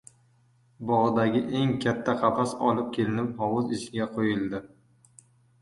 Bogʻdagi eng katta qafas olib kelinib, hovuz ichiga qoʻyildi.